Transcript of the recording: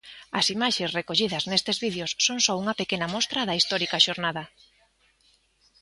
As imaxes recollidas nestes vídeos son só unha pequena mostra da histórica xornada.